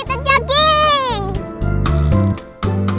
asik kita jogging